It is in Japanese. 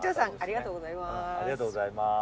ありがとうございます。